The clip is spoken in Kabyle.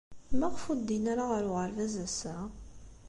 Maɣef ur ddin ara ɣer uɣerbaz ass-a?